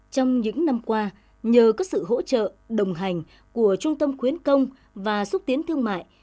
trong những năm qua nhờ có sự hỗ trợ đồng hành của trung tâm khuyến công và xúc tiến thương mại